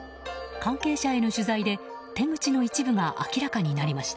関係者への取材で手口の一部が明らかになりました。